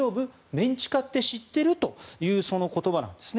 メン地下って知ってる？というその言葉なんです。